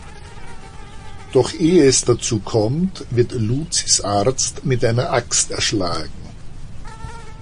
Doch ehe es dazu kommt, wird Lucys Arzt mit einer Axt erschlagen.